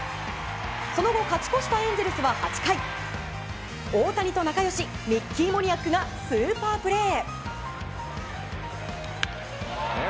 その後、勝ち越したエンゼルスは８回大谷と仲良しミッキー・モニアックがスーパープレー。